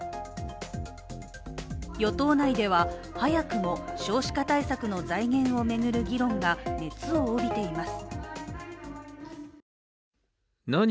与党内では、早くも少子化対策の財源を巡る議論が熱を帯びています。